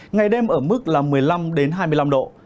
ngày đêm ở mức là một mươi năm hai mươi năm độ